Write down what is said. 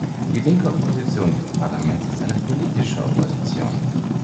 Die linke Opposition dieses Parlaments ist eine politische Opposition.